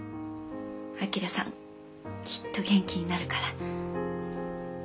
旭さんきっと元気になるから。